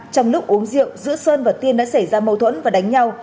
trong lúc uống rượu giữa sơn và tiên đã xảy ra mâu thuẫn và đánh nhau